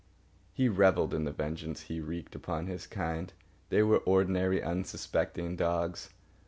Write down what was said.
He revelled in the vengeance he wreaked upon his kind. They were ordinary, unsuspecting dogs.